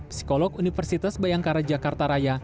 psikolog universitas bayangkara jakarta raya